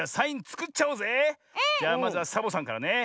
じゃあまずはサボさんからね。